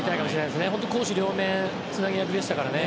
本当に攻守両面のつなぎ役でしたからね。